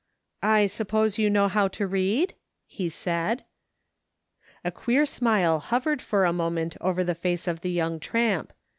"I suppose you know how to read.''" he said. A queer smile hovered for a moment over the OPPORTUNITY. 53 face of the young tramp.